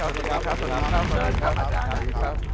สวัสดีครับอาจารย์